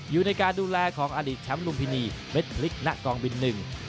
อยู่ในการดูแลของอดีตแชมป์ลุมพินีเม็ดพลิกณกองบินหนึ่ง